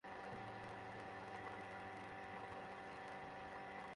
পেশাদার প্রযোজকেরা যদি এখানে বিনিয়োগ করেন, আমার বিশ্বাস তাঁরা লাভবান হবেন।